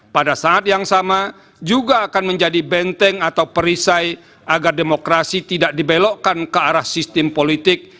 pada saat yang sama juga akan menjadi benteng atau perisai agar demokrasi tidak dibelokkan ke arah sistem politik